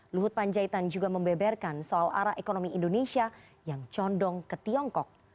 luhut panjaitan juga membeberkan soal arah ekonomi indonesia yang condong ke tiongkok